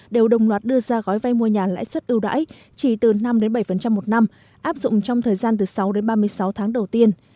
đều đồng loạt đưa ra gói vai mua nhà lợi suất yêu đáy chỉ từ năm bảy một năm áp dụng trong thời gian từ sáu ba mươi sáu tháng đầu tiên